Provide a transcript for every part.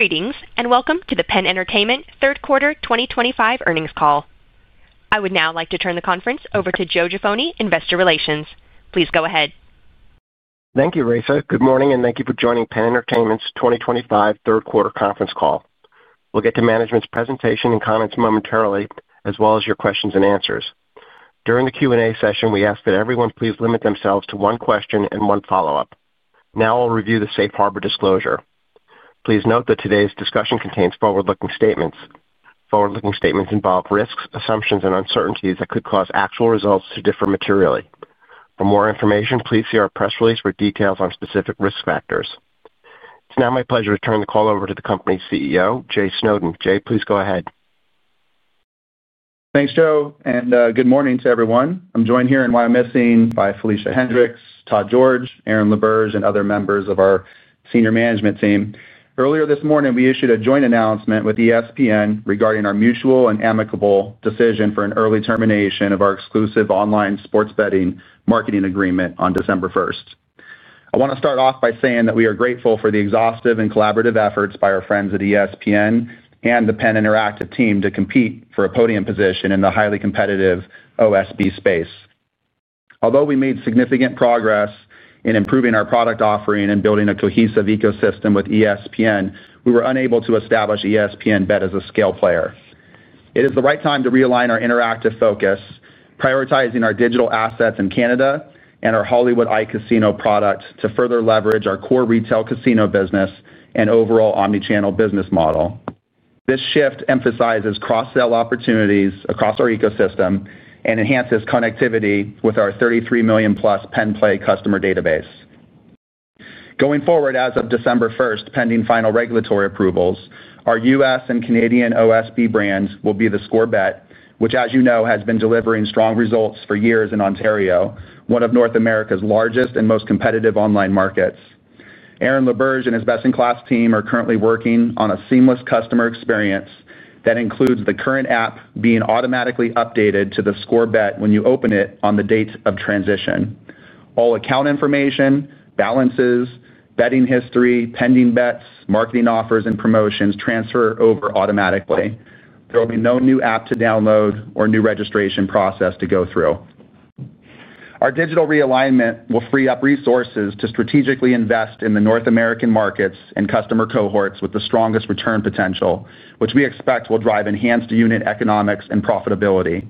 Greetings and welcome to the Penn Entertainment third quarter 2025 earnings call. I would now like to turn the conference over to Joe Giaffoni, Investor Relations. Please go ahead. Thank you, Rachel. Good morning and thank you for joining Penn Entertainment's 2025 third quarter conference call. We'll get to management's presentation and comments momentarily, as well as your questions and answers. During the Q&A session, we ask that everyone please limit themselves to one question and one follow-up. Now I'll review the safe harbor disclosure. Please note that today's discussion contains forward-looking statements. Forward-looking statements involve risks, assumptions, and uncertainties that could cause actual results to differ materially. For more information, please see our press release for details on specific risk factors. It's now my pleasure to turn the call over to the company's CEO, Jay Snowden. Jay, please go ahead. Thanks, Joe. Good morning to everyone. I'm joined here in YMSC by Felicia Hendrix, Todd George, Aaron LaBerge, and other members of our senior management team. Earlier this morning, we issued a joint announcement with ESPN regarding our mutual and amicable decision for an early termination of our exclusive online sports betting marketing agreement on December 1. I want to start off by saying that we are grateful for the exhaustive and collaborative efforts by our friends at ESPN BETand the Penn Interactive team to compete for a podium position in the highly competitive OSB space. Although we made significant progress in improving our product offering and building a cohesive ecosystem with ESPN BET, we were unable to establish ESPN BET as a scale player. It is the right time to realign our interactive focus, prioritizing our digital assets in Canada and our Hollywood iCasino product to further leverage our core retail casino business and overall omnichannel business model. This shift emphasizes cross-sell opportunities across our ecosystem and enhances connectivity with our 33 million-plus PennPlay customer database. Going forward, as of December 1, pending final regulatory approvals, our U.S. and Canadian OSB brands will be theScore Bet, which, as you know, has been delivering strong results for years in Ontario, one of North America's largest and most competitive online markets. Aaron LaBerge and his best-in-class team are currently working on a seamless customer experience that includes the current app being automatically updated to theScore Bet when you open it on the date of transition. All account information, balances, betting history, pending bets, marketing offers, and promotions transfer over automatically. There will be no new app to download or new registration process to go through. Our digital realignment will free up resources to strategically invest in the North American markets and customer cohorts with the strongest return potential, which we expect will drive enhanced unit economics and profitability.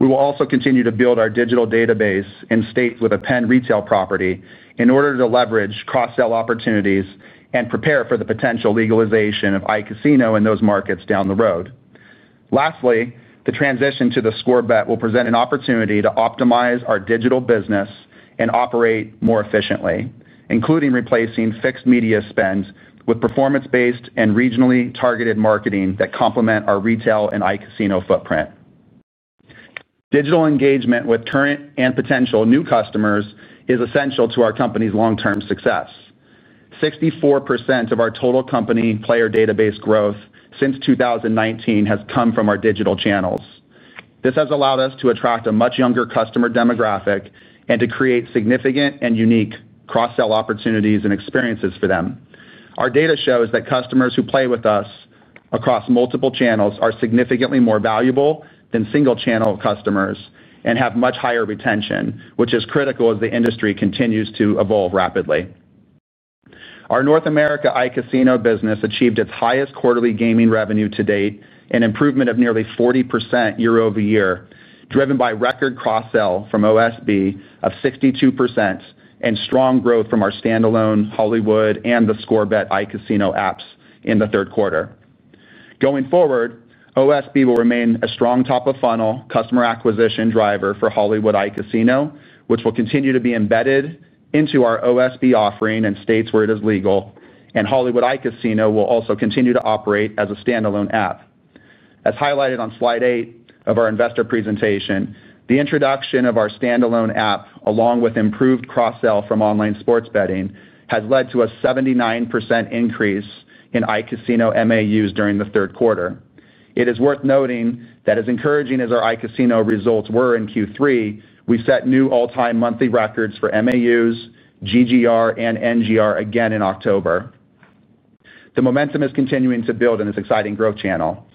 We will also continue to build our digital database in states with a Penn retail property in order to leverage cross-sell opportunities and prepare for the potential legalization of iCasino in those markets down the road. Lastly, the transition to theScore Bet will present an opportunity to optimize our digital business and operate more efficiently, including replacing fixed media spends with performance-based and regionally targeted marketing that complement our retail and iCasino footprint. Digital engagement with current and potential new customers is essential to our company's long-term success. 64% of our total company player database growth since 2019 has come from our digital channels. This has allowed us to attract a much younger customer demographic and to create significant and unique cross-sell opportunities and experiences for them. Our data shows that customers who play with us across multiple channels are significantly more valuable than single-channel customers and have much higher retention, which is critical as the industry continues to evolve rapidly. Our North America iCasino business achieved its highest quarterly gaming revenue to date and improvement of nearly 40% year over year, driven by record cross-sell from OSB of 62% and strong growth from our standalone Hollywood and theScore Bet iCasino apps in the third quarter. Going forward, OSB will remain a strong top-of-funnel customer acquisition driver for Hollywood iCasino, which will continue to be embedded into our OSB offering in states where it is legal, and Hollywood iCasino will also continue to operate as a standalone app. As highlighted on slide eight of our investor presentation, the introduction of our standalone app, along with improved cross-sell from online sports betting, has led to a 79% increase in iCasino MAUs during the third quarter. It is worth noting that, as encouraging as our iCasino results were in Q3, we set new all-time monthly records for MAUs, GGR, and NGR again in October. The momentum is continuing to build in this exciting growth channel.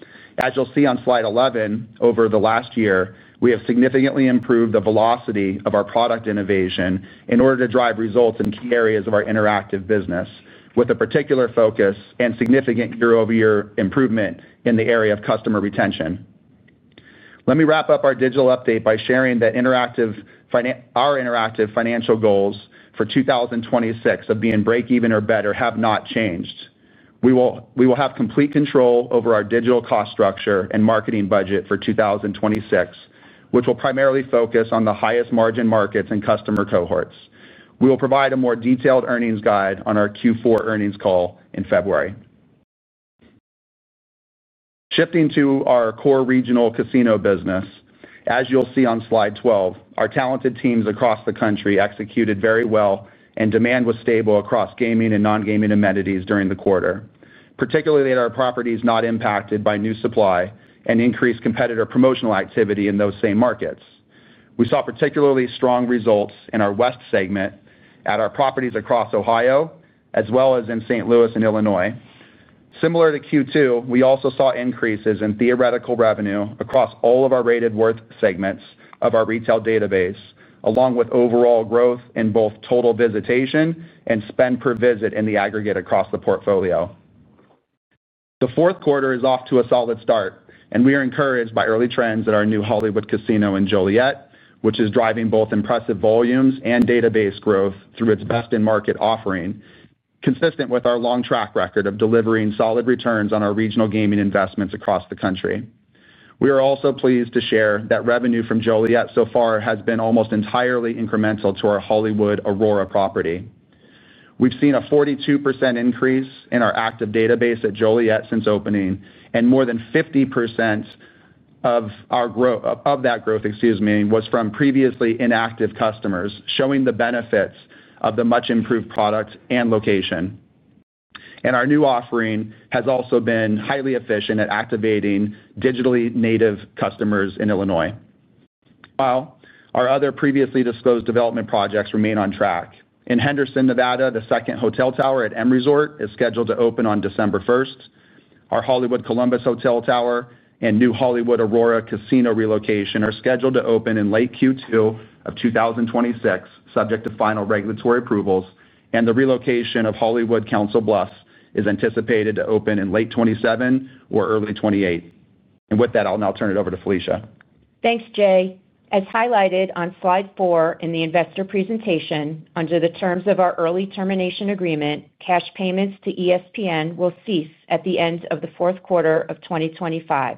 As you'll see on slide 11, over the last year, we have significantly improved the velocity of our product innovation in order to drive results in key areas of our interactive business, with a particular focus and significant year-over-year improvement in the area of customer retention. Let me wrap up our digital update by sharing that our interactive financial goals for 2026 of being break-even or better have not changed. We will have complete control over our digital cost structure and marketing budget for 2026, which will primarily focus on the highest margin markets and customer cohorts. We will provide a more detailed earnings guide on our Q4 earnings call in February. Shifting to our core regional casino business, as you'll see on slide 12, our talented teams across the country executed very well, and demand was stable across gaming and non-gaming amenities during the quarter, particularly at our properties not impacted by new supply and increased competitor promotional activity in those same markets. We saw particularly strong results in our West segment at our properties across Ohio, as well as in St. Louis and Illinois. Similar to Q2, we also saw increases in theoretical revenue across all of our rated worth segments of our retail database, along with overall growth in both total visitation and spend per visit in the aggregate across the portfolio. The fourth quarter is off to a solid start, and we are encouraged by early trends at our new Hollywood Casino in Joliet, which is driving both impressive volumes and database growth through its best-in-market offering, consistent with our long track record of delivering solid returns on our regional gaming investments across the country. We are also pleased to share that revenue from Joliet so far has been almost entirely incremental to our Hollywood Aurora property. We have seen a 42% increase in our active database at Joliet since opening, and more than 50% of that growth, excuse me, was from previously inactive customers, showing the benefits of the much-improved product and location. Our new offering has also been highly efficient at activating digitally native customers in Illinois. While our other previously disclosed development projects remain on track, in Henderson, Nevada, the second hotel tower at M Resort is scheduled to open on December 1. Our Hollywood Columbus hotel tower and new Hollywood Aurora casino relocation are scheduled to open in late Q2 of 2026, subject to final regulatory approvals, and the relocation of Hollywood Council Bluffs is anticipated to open in late 2027 or early 2028. With that, I'll now turn it over to Felicia. Thanks, Jay. As highlighted on slide 4 in the investor presentation, under the terms of our early termination agreement, cash payments to ESPN BET will cease at the end of the fourth quarter of 2025.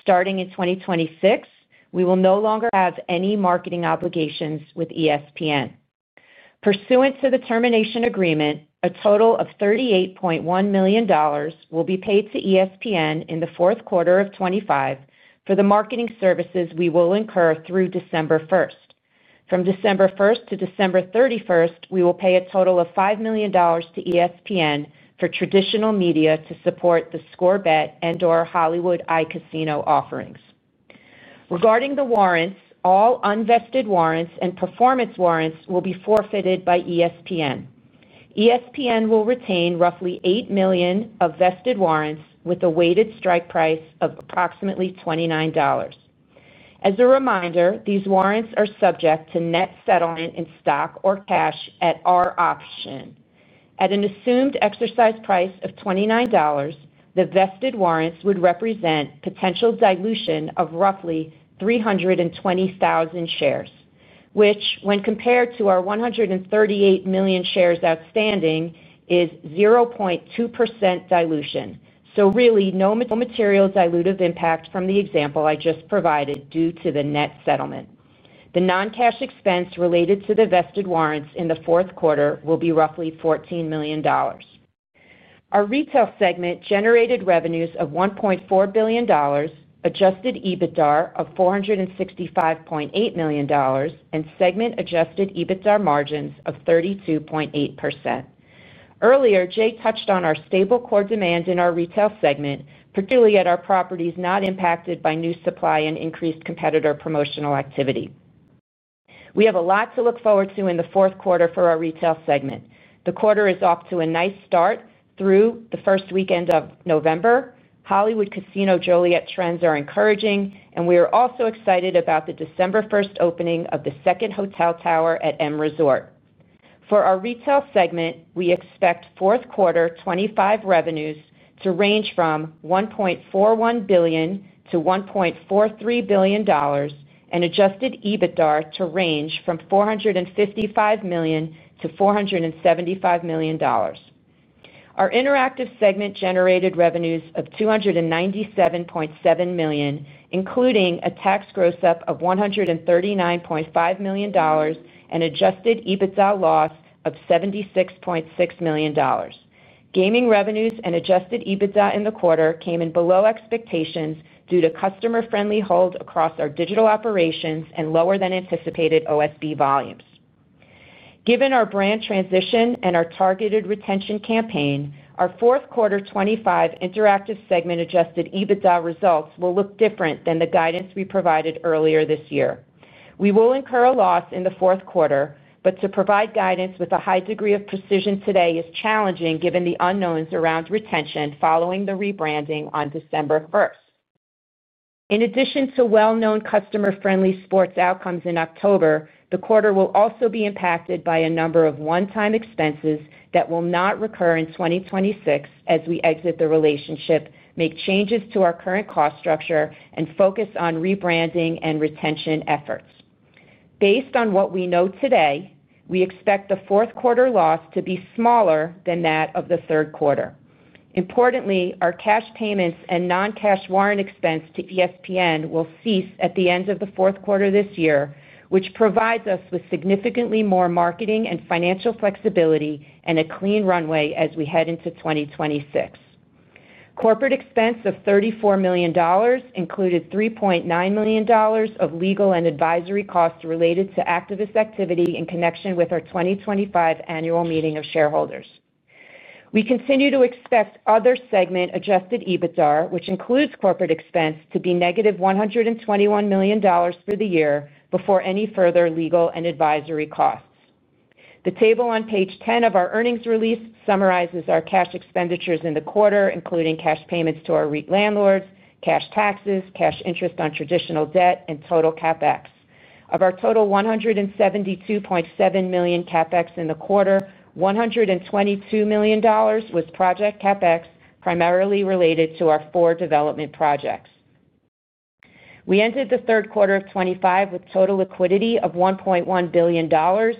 Starting in 2026, we will no longer have any marketing obligations with ESPN BET. Pursuant to the termination agreement, a total of $38.1 million will be paid to ESPN in the fourth quarter of 2025 for the marketing services we will incur through December 1. From December 1 to December 31, we will pay a total of $5 million to ESPN for traditional media to support theScore Bet and/or Hollywood iCasino offerings. Regarding the warrants, all unvested warrants and performance warrants will be forfeited by ESPN. ESPN will retain roughly $8 million of vested warrants with a weighted strike price of approximately $29. As a reminder, these warrants are subject to net settlement in stock or cash at our option. At an assumed exercise price of $29, the vested warrants would represent potential dilution of roughly 320,000 shares, which, when compared to our 138 million shares outstanding, is 0.2% dilution. Really, no material dilutive impact from the example I just provided due to the net settlement. The non-cash expense related to the vested warrants in the fourth quarter will be roughly $14 million. Our retail segment generated revenues of $1.4 billion, adjusted EBITDA of $465.8 million, and segment-adjusted EBITDA margins of 32.8%. Earlier, Jay touched on our stable core demand in our retail segment, particularly at our properties not impacted by new supply and increased competitor promotional activity. We have a lot to look forward to in the fourth quarter for our retail segment. The quarter is off to a nice start through the first weekend of November. Hollywood Casino Joliet trends are encouraging. We are also excited about the December 1 opening of the second hotel tower at M Resort. For our retail segment, we expect fourth quarter 2025 revenues to range from $1.41 billion-$1.43 billion and adjusted EBITDA to range from $455 million-$475 million. Our interactive segment generated revenues of $297.7 million, including a tax gross up of $139.5 million and adjusted EBITDA loss of $76.6 million. Gaming revenues and adjusted EBITDA in the quarter came in below expectations due to customer-friendly holds across our digital operations and lower than anticipated OSB volumes. Given our brand transition and our targeted retention campaign, our fourth quarter 2025 interactive segment-adjusted EBITDA results will look different than the guidance we provided earlier this year. We will incur a loss in the fourth quarter, but to provide guidance with a high degree of precision today is challenging given the unknowns around retention following the rebranding on December 1. In addition to well-known customer-friendly sports outcomes in October, the quarter will also be impacted by a number of one-time expenses that will not recur in 2026 as we exit the relationship, make changes to our current cost structure, and focus on rebranding and retention efforts. Based on what we know today, we expect the fourth quarter loss to be smaller than that of the third quarter. Importantly, our cash payments and non-cash warrant expense to ESPN will cease at the end of the fourth quarter this year, which provides us with significantly more marketing and financial flexibility and a clean runway as we head into 2026. Corporate expense of $34 million included $3.9 million of legal and advisory costs related to activist activity in connection with our 2025 annual meeting of shareholders. We continue to expect other segment-adjusted EBITDA, which includes corporate expense, to be negative $121 million for the year before any further legal and advisory costs. The table on page 10 of our earnings release summarizes our cash expenditures in the quarter, including cash payments to our landlords, cash taxes, cash interest on traditional debt, and total CapEx. Of our total $172.7 million CapEx in the quarter, $122 million was project CapEx, primarily related to our four development projects. We entered the third quarter of 2025 with total liquidity of $1.1 billion,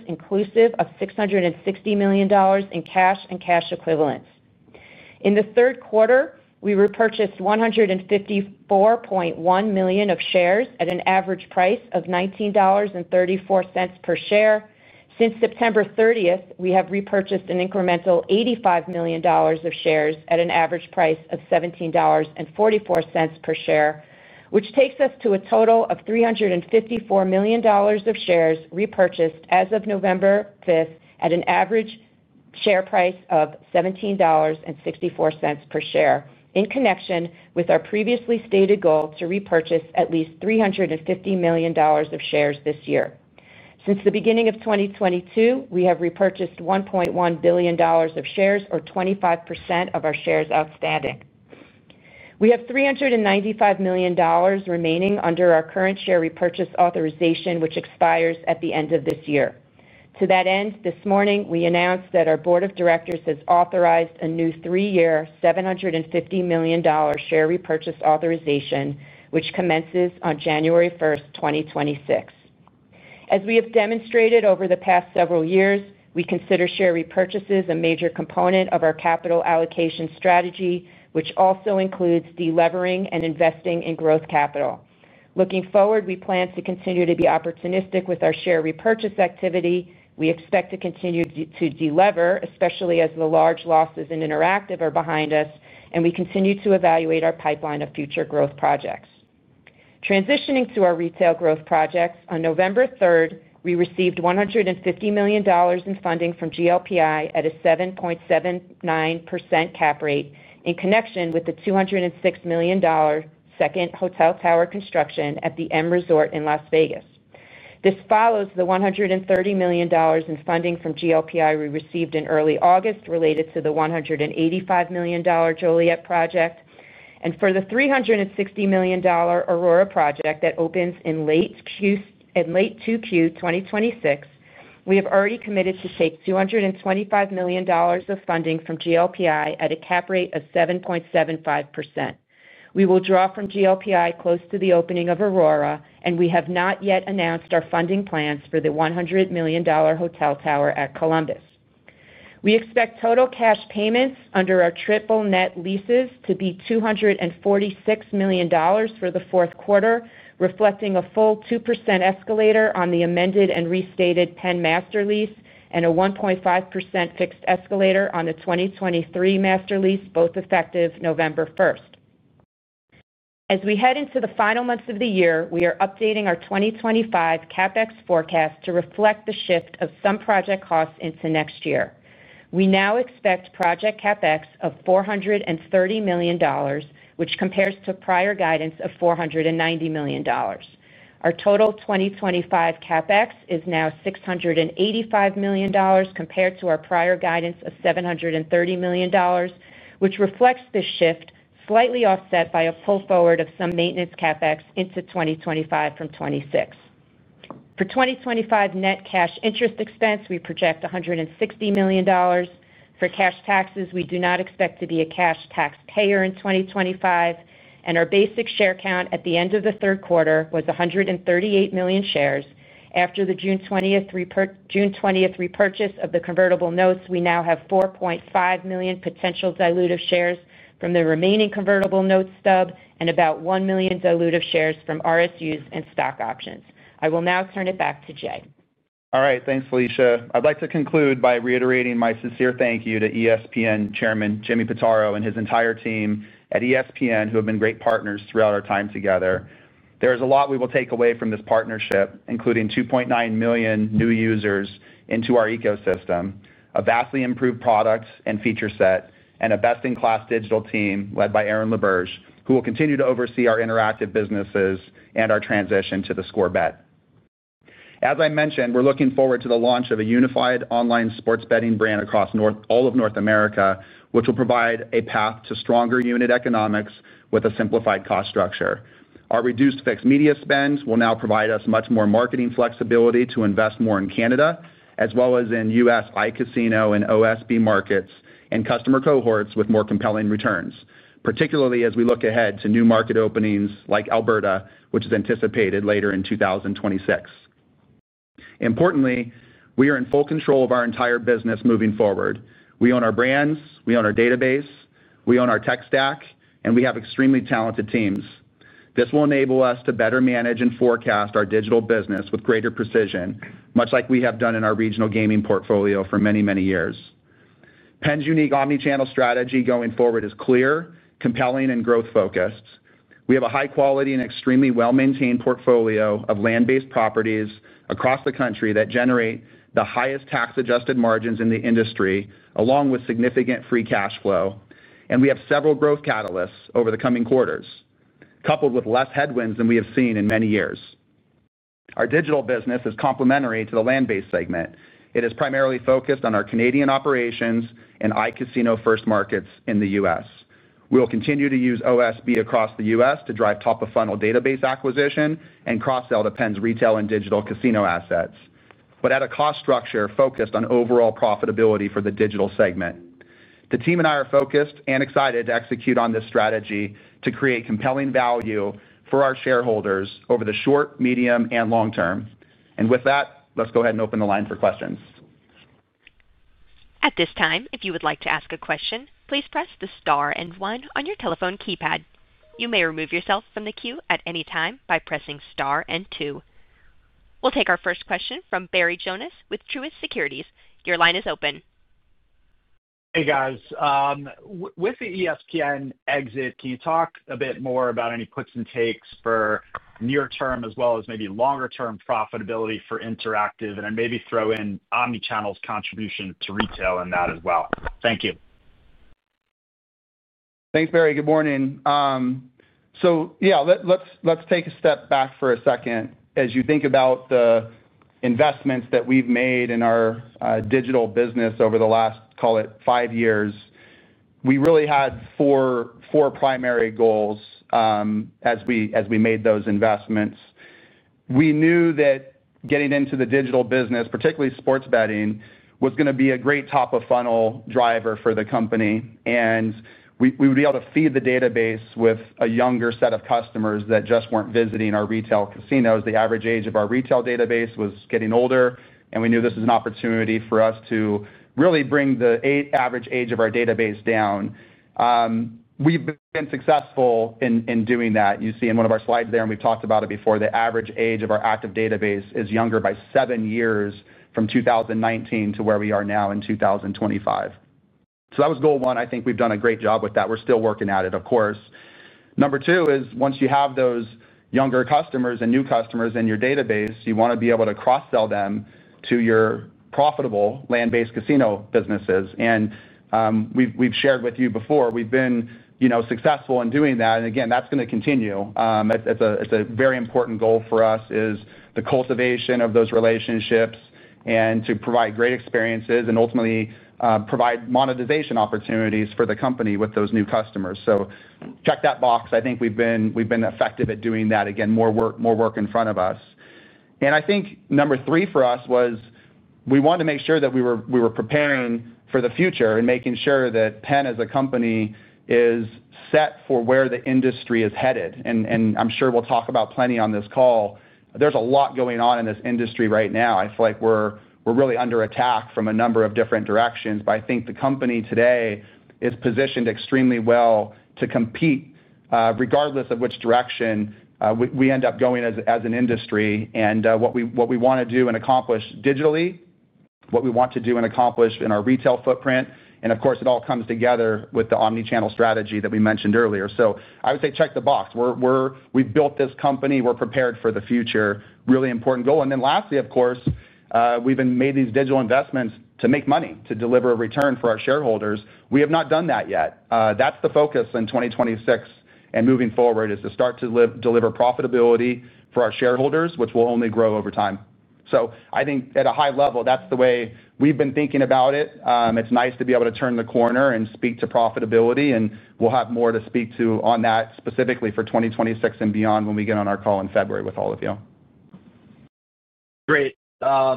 inclusive of $660 million in cash and cash equivalents. In the third quarter, we repurchased $154.1 million of shares at an average price of $19.34 per share. Since September 30th, we have repurchased an incremental $85 million of shares at an average price of $17.44 per share, which takes us to a total of $354 million of shares repurchased as of November 5th at an average share price of $17.64 per share, in connection with our previously stated goal to repurchase at least $350 million of shares this year. Since the beginning of 2022, we have repurchased $1.1 billion of shares, or 25% of our shares outstanding. We have $395 million remaining under our current share repurchase authorization, which expires at the end of this year. To that end, this morning, we announced that our board of directors has authorized a new three-year $750 million share repurchase authorization, which commences on January 1st, 2026. As we have demonstrated over the past several years, we consider share repurchases a major component of our capital allocation strategy, which also includes delevering and investing in growth capital. Looking forward, we plan to continue to be opportunistic with our share repurchase activity. We expect to continue to delever, especially as the large losses in interactive are behind us, and we continue to evaluate our pipeline of future growth projects. Transitioning to our retail growth projects, on November 3, we received $150 million in funding from GLPI at a 7.79% cap rate in connection with the $206 million second hotel tower construction at the M Resort in Las Vegas. This follows the $130 million in funding from GLPI we received in early August related to the $185 million Joliet project. For the $360 million Aurora project that opens in late Q2 2026, we have already committed to take $225 million of funding from GLPI at a cap rate of 7.75%. We will draw from GLPI close to the opening of Aurora, and we have not yet announced our funding plans for the $100 million hotel tower at Columbus. We expect total cash payments under our triple-net leases to be $246 million for the fourth quarter, reflecting a full 2% escalator on the amended and restated Penn Master Lease and a 1.5% fixed escalator on the 2023 Master Lease, both effective November 1. As we head into the final months of the year, we are updating our 2025 CapEx forecast to reflect the shift of some project costs into next year. We now expect project CapEx of $430 million, which compares to prior guidance of $490 million. Our total 2025 CapEx is now $685 million compared to our prior guidance of $730 million, which reflects this shift, slightly offset by a pull forward of some maintenance CapEx into 2025 from 2026. For 2025 net cash interest expense, we project $160 million. For cash taxes, we do not expect to be a cash taxpayer in 2025, and our basic share count at the end of the third quarter was 138 million shares. After the June 20th repurchase of the convertible notes, we now have 4.5 million potential dilutive shares from the remaining convertible notes stub and about 1 million dilutive shares from RSUs and stock options. I will now turn it back to Jay. All right. Thanks, Felicia. I'd like to conclude by reiterating my sincere thank you to ESPN BET Chairman Jimmy Pitaro and his entire team at ESPN BET, who have been great partners throughout our time together. There is a lot we will take away from this partnership, including 2.9 million new users into our ecosystem, a vastly improved product and feature set, and a best-in-class digital team led by Aaron LaBerge, who will continue to oversee our interactive businesses and our transition to the Score Bet. As I mentioned, we're looking forward to the launch of a unified online sports betting brand across all of North America, which will provide a path to stronger unit economics with a simplified cost structure. Our reduced fixed media spends will now provide us much more marketing flexibility to invest more in Canada, as well as in U.S. Casino and OSB markets and customer cohorts with more compelling returns, particularly as we look ahead to new market openings like Alberta, which is anticipated later in 2026. Importantly, we are in full control of our entire business moving forward. We own our brands, we own our database, we own our tech stack, and we have extremely talented teams. This will enable us to better manage and forecast our digital business with greater precision, much like we have done in our regional gaming portfolio for many, many years. Penn's unique omnichannel strategy going forward is clear, compelling, and growth-focused. We have a high-quality and extremely well-maintained portfolio of land-based properties across the country that generate the highest tax-adjusted margins in the industry, along with significant free cash flow, and we have several growth catalysts over the coming quarters, coupled with fewer headwinds than we have seen in many years. Our digital business is complementary to the land-based segment. It is primarily focused on our Canadian operations and Casino-first markets in the U.S. We will continue to use OSB across the U.S. to drive top-of-funnel database acquisition and cross-sell to Penn's retail and digital casino assets, but at a cost structure focused on overall profitability for the digital segment. The team and I are focused and excited to execute on this strategy to create compelling value for our shareholders over the short, medium, and long term. With that, let's go ahead and open the line for questions. At this time, if you would like to ask a question, please press the star and one on your telephone keypad. You may remove yourself from the queue at any time by pressing star and two. We'll take our first question from Barry Jonas with Truist Securities. Your line is open. Hey, guys. With the ESPN BET exit, can you talk a bit more about any puts and takes for near-term as well as maybe longer-term profitability for interactive, and then maybe throw in omnichannel's contribution to retail in that as well? Thank you. Thanks, Barry. Good morning. Yeah, let's take a step back for a second. As you think about the investments that we've made in our digital business over the last, call it, five years, we really had four primary goals. As we made those investments, we knew that getting into the digital business, particularly sports betting, was going to be a great top-of-funnel driver for the company, and we would be able to feed the database with a younger set of customers that just weren't visiting our retail casinos. The average age of our retail database was getting older, and we knew this was an opportunity for us to really bring the average age of our database down. We've been successful in doing that. You see in one of our slides there, and we've talked about it before, the average age of our active database is younger by seven years from 2019 to where we are now in 2025. That was goal one. I think we've done a great job with that. We're still working at it, of course. Number two is once you have those younger customers and new customers in your database, you want to be able to cross-sell them to your profitable land-based casino businesses. We've shared with you before, we've been successful in doing that. That is going to continue. It is a very important goal for us, the cultivation of those relationships and to provide great experiences and ultimately provide monetization opportunities for the company with those new customers. Check that box. I think we've been effective at doing that. Again, more work in front of us. I think number three for us was we wanted to make sure that we were preparing for the future and making sure that Penn, as a company, is set for where the industry is headed. I'm sure we'll talk about plenty on this call. There's a lot going on in this industry right now. I feel like we're really under attack from a number of different directions, but I think the company today is positioned extremely well to compete, regardless of which direction we end up going as an industry. What we want to do and accomplish digitally, what we want to do and accomplish in our retail footprint, and of course, it all comes together with the omnichannel strategy that we mentioned earlier. I would say check the box. We've built this company. We're prepared for the future. Really important goal. And then lastly, of course, we've made these digital investments to make money, to deliver a return for our shareholders. We have not done that yet. That's the focus in 2026 and moving forward is to start to deliver profitability for our shareholders, which will only grow over time. I think at a high level, that's the way we've been thinking about it. It's nice to be able to turn the corner and speak to profitability, and we'll have more to speak to on that specifically for 2026 and beyond when we get on our call in February with all of you. Great. I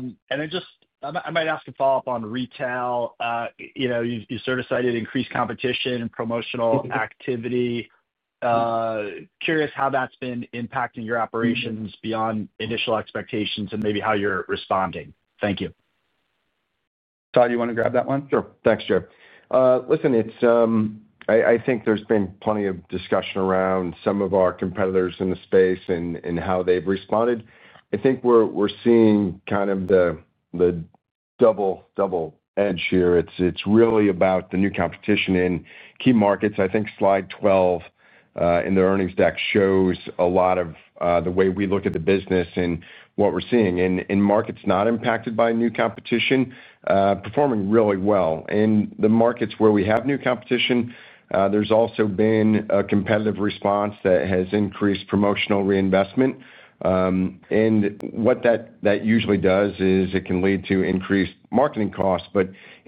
might ask a follow-up on retail. You sort of cited increased competition and promotional activity. Curious how that's been impacting your operations beyond initial expectations and maybe how you're responding. Thank you. Todd, you want to grab that one? Sure. Thanks, Joe. Listen, I think there's been plenty of discussion around some of our competitors in the space and how they've responded. I think we're seeing kind of the double edge here. It's really about the new competition in key markets. I think slide 12 in the earnings deck shows a lot of the way we look at the business and what we're seeing. Markets not impacted by new competition performing really well. In the markets where we have new competition, there's also been a competitive response that has increased promotional reinvestment. What that usually does is it can lead to increased marketing costs.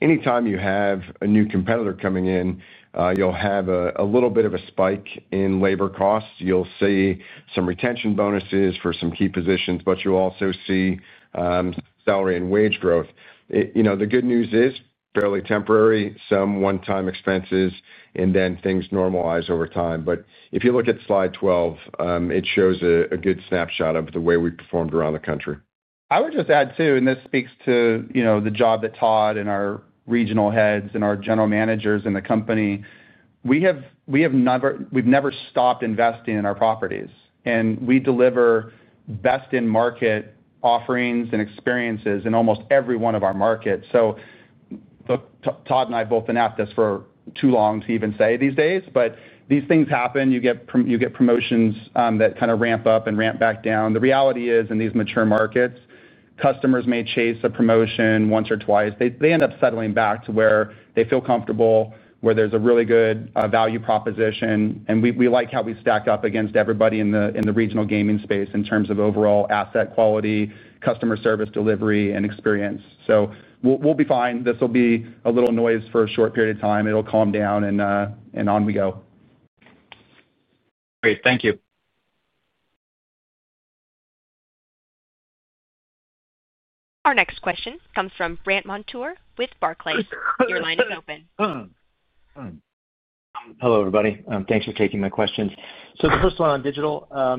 Anytime you have a new competitor coming in, you'll have a little bit of a spike in labor costs. You'll see some retention bonuses for some key positions, but you'll also see salary and wage growth. The good news is fairly temporary, some one-time expenses, and then things normalize over time. If you look at slide 12, it shows a good snapshot of the way we performed around the country. I would just add too, and this speaks to the job that Todd and our regional heads and our general managers in the company, we have never stopped investing in our properties. We deliver best-in-market offerings and experiences in almost every one of our markets. Todd and I both have been at this for too long to even say these days, but these things happen. You get promotions that kind of ramp up and ramp back down. The reality is, in these mature markets, customers may chase a promotion once or twice. They end up settling back to where they feel comfortable, where there's a really good value proposition. We like how we stack up against everybody in the regional gaming space in terms of overall asset quality, customer service delivery, and experience. We'll be fine. This will be a little noise for a short period of time. It'll calm down, and on we go. Great. Thank you. Our next question comes from Brandt Montour with Barclays. Your line is open. Hello, everybody. Thanks for taking my questions. The first one on digital, I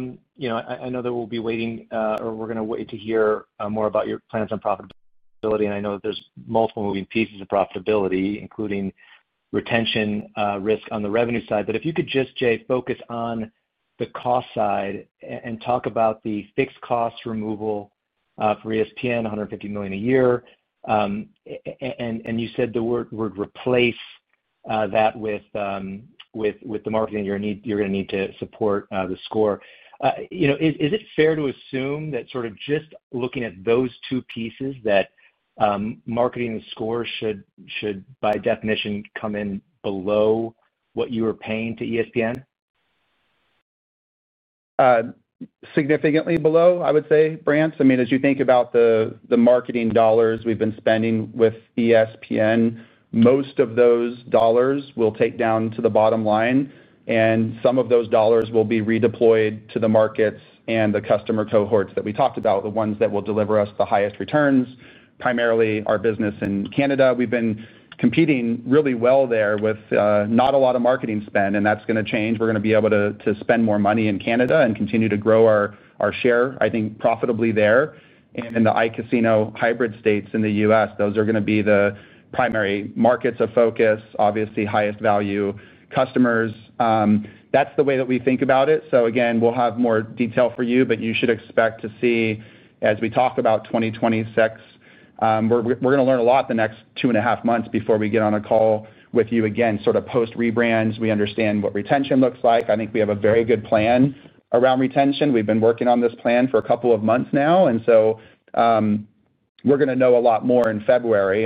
know that we'll be waiting or we're going to wait to hear more about your plans on profitability. I know that there's multiple moving pieces of profitability, including retention risk on the revenue side. If you could just, Jay, focus on the cost side and talk about the fixed cost removal for ESPN BET, $150 million a year. You said the word replace that with the marketing you're going to need to support theScore. Is it fair to assume that sort of just looking at those two pieces, that marketing and theScore should, by definition, come in below what you are paying to ESPN? Significantly below, I would say, Brandt. I mean, as you think about the marketing dollars we've been spending with ESPN BET, most of those dollars will take down to the bottom line. Some of those dollars will be redeployed to the markets and the customer cohorts that we talked about, the ones that will deliver us the highest returns, primarily our business in Canada. We've been competing really well there with not a lot of marketing spend, and that's going to change. We're going to be able to spend more money in Canada and continue to grow our share, I think, profitably there. In the iCasino hybrid states in the U.S., those are going to be the primary markets of focus, obviously highest value customers. That's the way that we think about it. Again, we'll have more detail for you, but you should expect to see, as we talk about 2026. We're going to learn a lot the next two and a half months before we get on a call with you again, sort of post-rebrands. We understand what retention looks like. I think we have a very good plan around retention. We've been working on this plan for a couple of months now. And so, we're going to know a lot more in February.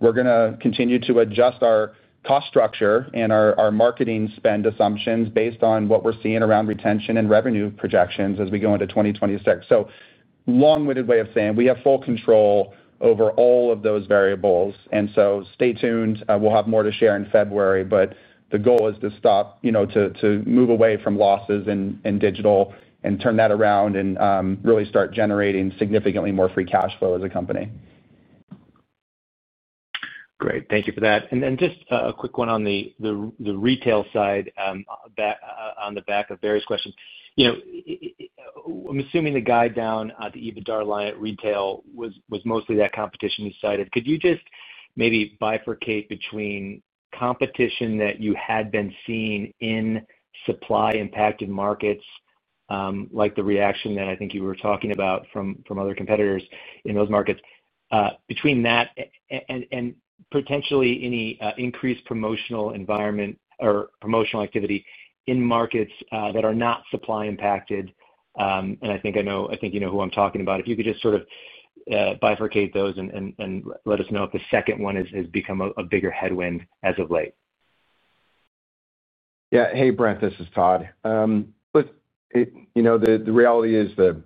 We're going to continue to adjust our cost structure and our marketing spend assumptions based on what we're seeing around retention and revenue projections as we go into 2026. Long-winded way of saying, we have full control over all of those variables. Stay tuned. We'll have more to share in February. The goal is to stop, to move away from losses in digital. And turn that around and really start generating significantly more free cash flow as a company. Great. Thank you for that. Just a quick one on the retail side. On the back of Barry's question, I'm assuming the guide down to EBITDA at retail was mostly that competition you cited. Could you just maybe bifurcate between competition that you had been seeing in supply-impacted markets, like the reaction that I think you were talking about from other competitors in those markets, between that and potentially any increased promotional environment or promotional activity in markets that are not supply-impacted? I think you know who I'm talking about. If you could just sort of bifurcate those and let us know if the second one has become a bigger headwind as of late. Yeah. Hey, Brandt, this is Todd. Look. The reality is the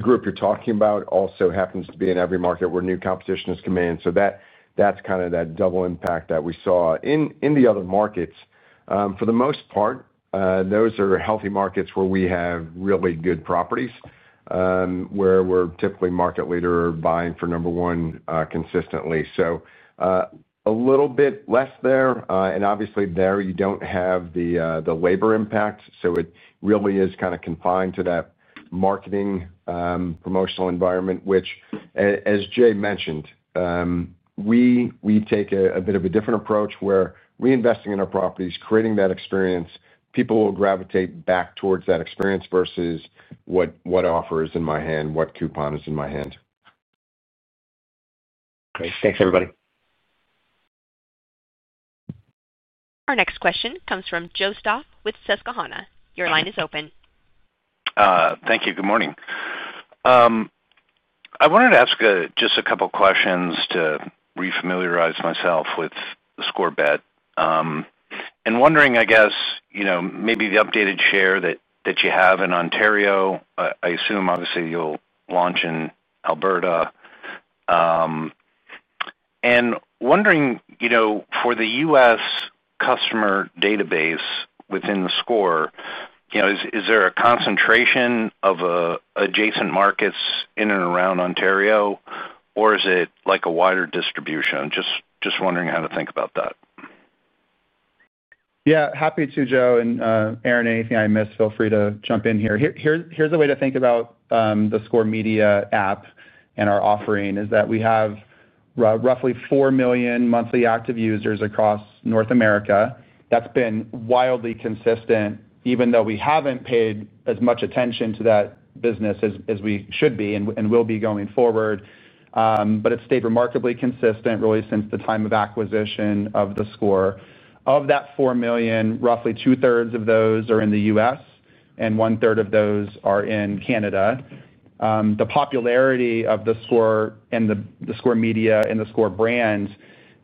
group you're talking about also happens to be in every market where new competition is coming in. That's kind of that double impact that we saw in the other markets. For the most part, those are healthy markets where we have really good properties, where we're typically market leader vying for number one consistently. A little bit less there. Obviously, there you don't have the labor impact. It really is kind of confined to that marketing promotional environment, which, as Jay mentioned, we take a bit of a different approach where reinvesting in our properties, creating that experience, people will gravitate back towards that experience versus what offer is in my hand, what coupon is in my hand. Great. Thanks, everybody. Our next question comes from Joe Stauff with Susquehanna. Your line is open. Thank you. Good morning. I wanted to ask just a couple of questions to refamiliarize myself with theScore Bet. And wondering, I guess, maybe the updated share that you have in Ontario, I assume, obviously, you'll launch in Alberta. And wondering, for the U.S. customer database within theScore, is there a concentration of adjacent markets in and around Ontario, or is it a wider distribution? Just wondering how to think about that. Yeah. Happy to, Joe. Aaron, anything I missed, feel free to jump in here. Here's the way to think about theScore app and our offering, is that we have roughly 4 million monthly active users across North America. That's been wildly consistent, even though we haven't paid as much attention to that business as we should be and will be going forward. It has stayed remarkably consistent, really, since the time of acquisition of theScore. Of that 4 million, roughly two-thirds of those are in the U.S., and one-third of those are in Canada. The popularity of theScore and theScore Media and theScore brand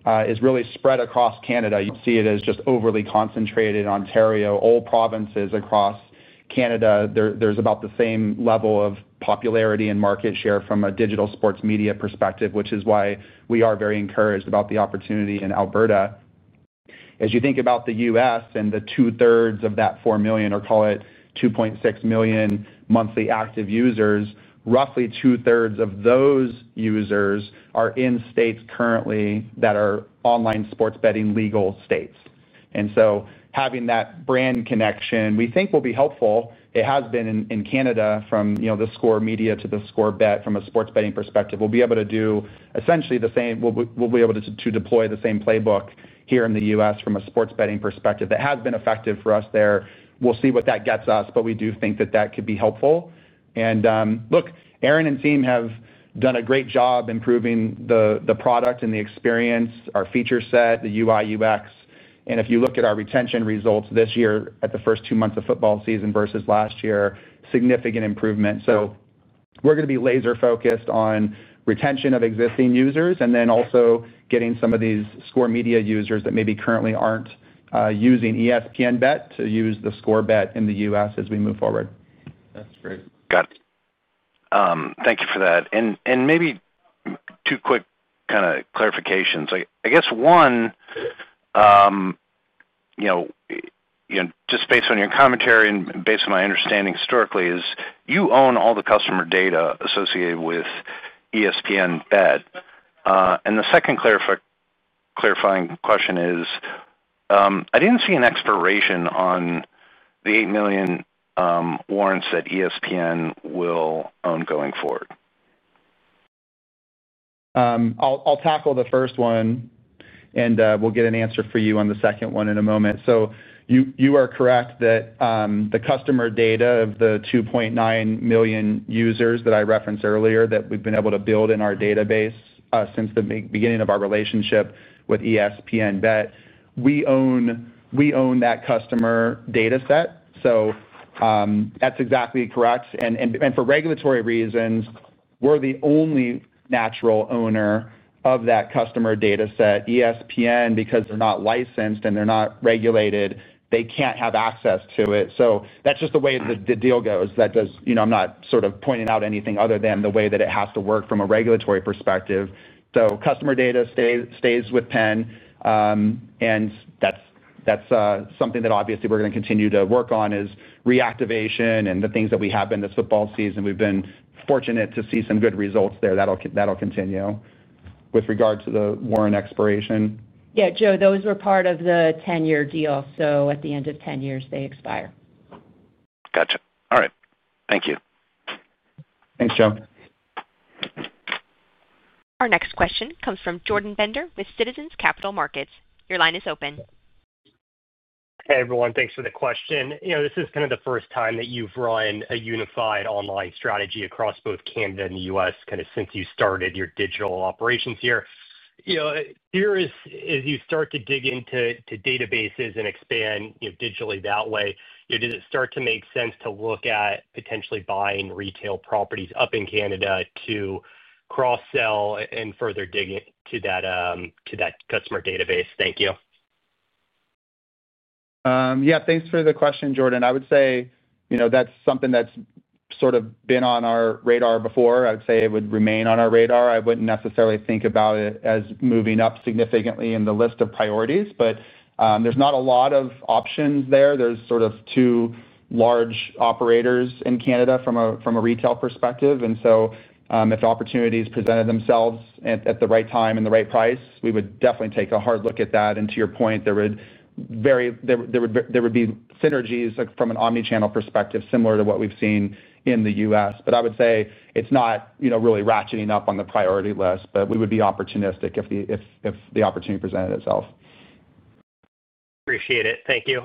is really spread across Canada. You do not see it as just overly concentrated in Ontario. All provinces across Canada, there's about the same level of popularity and market share from a digital sports media perspective, which is why we are very encouraged about the opportunity in Alberta. As you think about the U.S. and the two-thirds of that 4 million, or call it 2.6 million monthly active users, roughly two-thirds of those users are in states currently that are online sports betting legal states. Having that brand connection, we think, will be helpful. It has been in Canada from theScore Media to theScore Bet from a sports betting perspective. We'll be able to do essentially the same, we'll be able to deploy the same playbook here in the U.S. from a sports betting perspective. That has been effective for us there. We'll see what that gets us, but we do think that that could be helpful. Look, Aaron and team have done a great job improving the product and the experience, our feature set, the UI/UX. If you look at our retention results this year at the first two months of football season versus last year, significant improvement. We are going to be laser-focused on retention of existing users and then also getting some of these ScoreMedia users that maybe currently are not using ESPN Bet to use theScore Bet in the U.S. as we move forward. That's great. Got it. Thank you for that. Maybe two quick kind of clarifications. I guess one, just based on your commentary and based on my understanding historically, is you own all the customer data associated with ESPN Bet. The second clarifying question is, I did not see an expiration on the $8 million warrants that ESPN will own going forward? I'll tackle the first one, and we'll get an answer for you on the second one in a moment. You are correct that the customer data of the 2.9 million users that I referenced earlier that we've been able to build in our database since the beginning of our relationship with ESPN Bet, we own. That customer dataset. That's exactly correct. For regulatory reasons, we're the only natural owner of that customer dataset. ESPN, because they're not licensed and they're not regulated, they can't have access to it. That's just the way the deal goes. I'm not sort of pointing out anything other than the way that it has to work from a regulatory perspective. Customer data stays with Penn. That's something that obviously we're going to continue to work on, is reactivation and the things that we have in this football season. We've been fortunate to see some good results there. That'll continue with regard to the warrant expiration. Yeah. Joe, those were part of the 10-year deal. So at the end of 10 years, they expire. Gotcha. All right. Thank you. Thanks, Joe. Our next question comes from Jordan Bender with Citizens JMP Securities. Your line is open. Hey, everyone. Thanks for the question. This is kind of the first time that you've run a unified online strategy across both Canada and the U.S. kind of since you started your digital operations here. As you start to dig into databases and expand digitally that way, did it start to make sense to look at potentially buying retail properties up in Canada to cross-sell and further dig into that customer database? Thank you. Yeah. Thanks for the question, Jordan. I would say that's something that's sort of been on our radar before. I would say it would remain on our radar. I wouldn't necessarily think about it as moving up significantly in the list of priorities, but there's not a lot of options there. There's sort of two large operators in Canada from a retail perspective. If the opportunities presented themselves at the right time and the right price, we would definitely take a hard look at that. To your point, there would be synergies from an omnichannel perspective similar to what we've seen in the U.S. I would say it's not really ratcheting up on the priority list, but we would be opportunistic if the opportunity presented itself. Appreciate it. Thank you.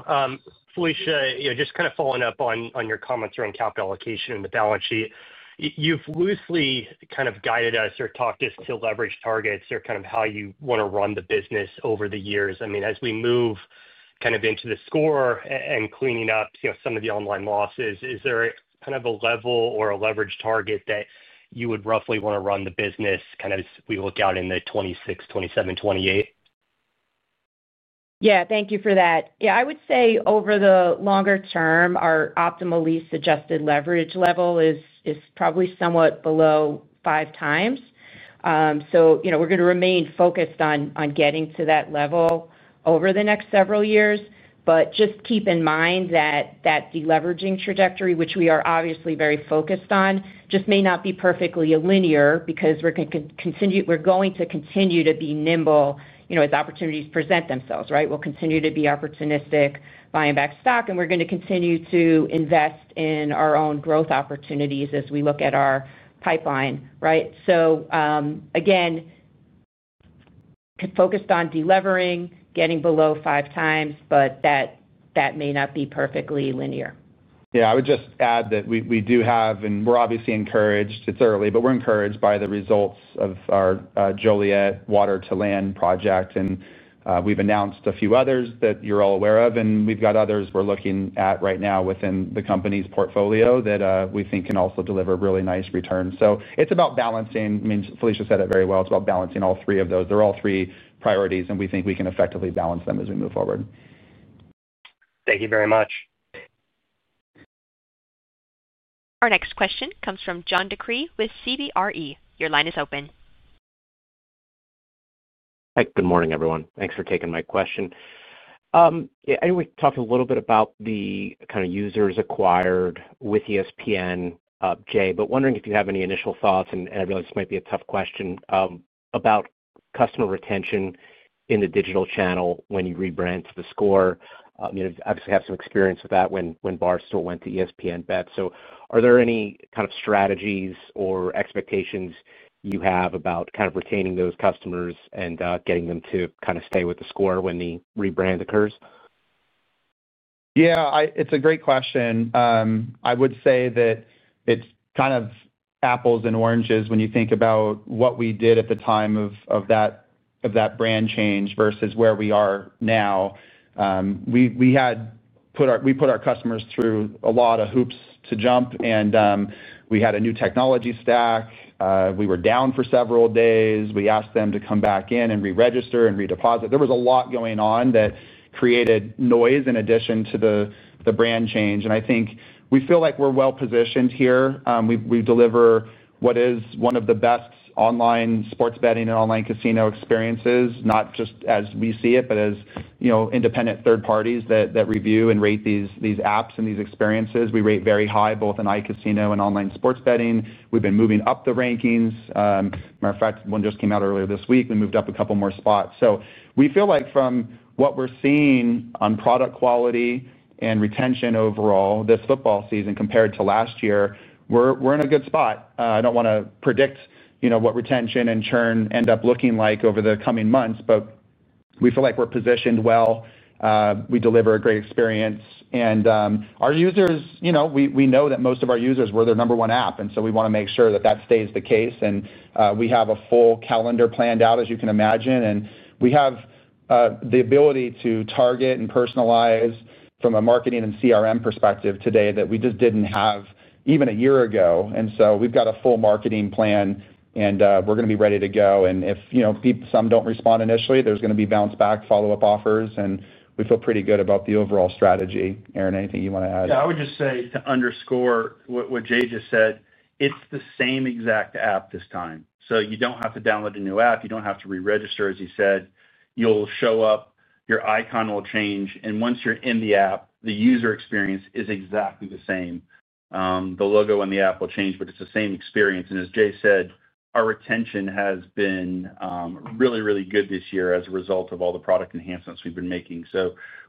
Felicia, just kind of following up on your comments around capital allocation and the balance sheet, you've loosely kind of guided us or talked us to leverage targets or kind of how you want to run the business over the years. I mean, as we move kind of into theScore and cleaning up some of the online losses, is there kind of a level or a leverage target that you would roughly want to run the business kind of as we look out in the 2026, 2027, 2028? Yeah. Thank you for that. Yeah. I would say over the longer term, our optimal lease suggested leverage level is probably somewhat below five times. We are going to remain focused on getting to that level over the next several years. Just keep in mind that the leveraging trajectory, which we are obviously very focused on, just may not be perfectly linear because we are going to continue to be nimble as opportunities present themselves, right? We will continue to be opportunistic, buying back stock, and we are going to continue to invest in our own growth opportunities as we look at our pipeline, right? Again, focused on delivering, getting below five times, but that may not be perfectly linear. Yeah. I would just add that we do have, and we're obviously encouraged, it's early, but we're encouraged by the results of our Joliet water-to-land project. We have announced a few others that you're all aware of. We have others we're looking at right now within the company's portfolio that we think can also deliver really nice returns. It's about balancing. I mean, Felicia said it very well. It's about balancing all three of those. They're all three priorities, and we think we can effectively balance them as we move forward. Thank you very much. Our next question comes from John G. DeCree with CBRE. Your line is open. Hi. Good morning, everyone. Thanks for taking my question. I know we talked a little bit about the kind of users acquired with ESPN, Jay, but wondering if you have any initial thoughts, and I realize this might be a tough question, about customer retention in the digital channel when you rebrand to theScore. You obviously have some experience with that when Barstool went to ESPN Bet. Are there any kind of strategies or expectations you have about kind of retaining those customers and getting them to kind of stay with theScore when the rebrand occurs? Yeah. It's a great question. I would say that it's kind of apples and oranges when you think about what we did at the time of that brand change versus where we are now. We put our customers through a lot of hoops to jump, and we had a new technology stack. We were down for several days. We asked them to come back in and re-register and redeposit. There was a lot going on that created noise in addition to the brand change. I think we feel like we're well-positioned here. We deliver what is one of the best online sports betting and online casino experiences, not just as we see it, but as independent third parties that review and rate these apps and these experiences. We rate very high, both in iCasino and online sports betting. We've been moving up the rankings. As a matter of fact, one just came out earlier this week. We moved up a couple more spots. We feel like from what we're seeing on product quality and retention overall this football season compared to last year, we're in a good spot. I don't want to predict what retention and churn end up looking like over the coming months, but we feel like we're positioned well. We deliver a great experience. Our users, we know that most of our users were their number one app, and we want to make sure that that stays the case. We have a full calendar planned out, as you can imagine. We have the ability to target and personalize from a marketing and CRM perspective today that we just didn't have even a year ago. We have got a full marketing plan, and we are going to be ready to go. If some do not respond initially, there are going to be bounce-back follow-up offers. We feel pretty good about the overall strategy. Aaron, anything you want to add? Yeah. I would just say to underscore what Jay just said, it's the same exact app this time. You don't have to download a new app. You don't have to re-register, as you said. You'll show up. Your icon will change. Once you're in the app, the user experience is exactly the same. The logo on the app will change, but it's the same experience. As Jay said, our retention has been really, really good this year as a result of all the product enhancements we've been making.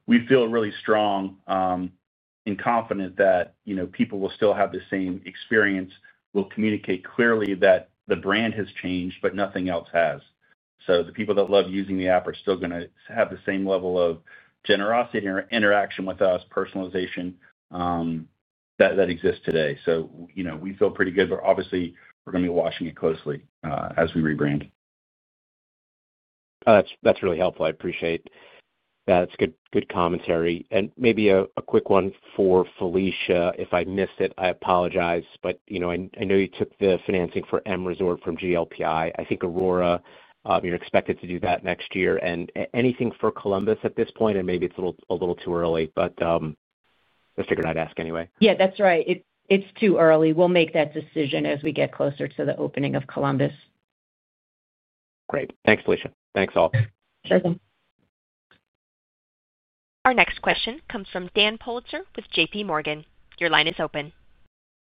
We feel really strong and confident that people will still have the same experience. We'll communicate clearly that the brand has changed, but nothing else has. The people that love using the app are still going to have the same level of generosity and interaction with us, personalization that exists today. We feel pretty good, but obviously, we're going to be watching it closely as we rebrand. That's really helpful. I appreciate. That's good commentary. Maybe a quick one for Felicia. If I missed it, I apologize, but I know you took the financing for M Resort from GLPI. I think Aurora, you're expected to do that next year. Anything for Columbus at this point? Maybe it's a little too early, but just figured I'd ask anyway. Yeah. That's right. It's too early. We'll make that decision as we get closer to the opening of Columbus. Great. Thanks, Felicia. Thanks, all. Sure thing. Our next question comes from Dan Politzer with JPMorgan Chase & Co. Your line is open.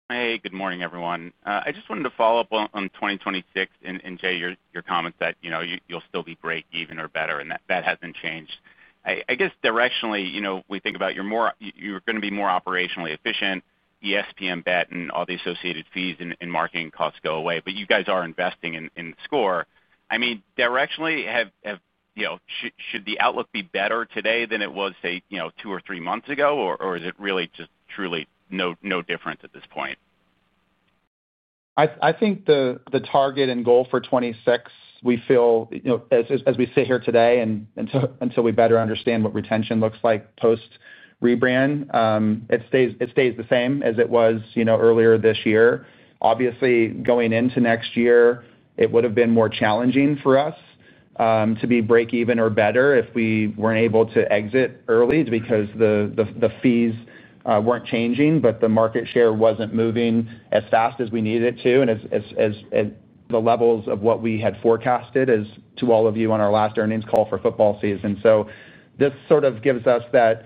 Hey. Good morning, everyone. I just wanted to follow up on 2026 and, Jay, your comments that you'll still be great, even or better, and that hasn't changed. I guess, directionally, we think about you're going to be more operationally efficient. ESPN Bet and all the associated fees and marketing costs go away, but you guys are investing in theScore. I mean, directionally. Should the outlook be better today than it was, say, two or three months ago, or is it really just truly no difference at this point? I think the target and goal for '26, we feel, as we sit here today and until we better understand what retention looks like post-rebrand, it stays the same as it was earlier this year. Obviously, going into next year, it would have been more challenging for us to be break-even or better if we were not able to exit early because the fees were not changing, but the market share was not moving as fast as we needed it to and the levels of what we had forecasted to all of you on our last earnings call for football season. This sort of gives us that